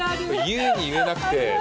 言うに言えなくて。